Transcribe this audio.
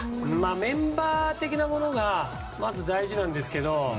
メンバー的なものがまず大事なんですけど。